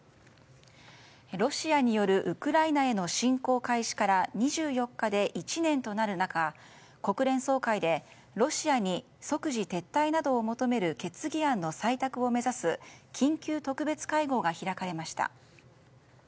ロシアによるウクライナへの侵攻開始から２４日で１年となる中国連総会でロシアに即時撤退などを求める決議案の採択を目指す緊急特別会合が開かれました。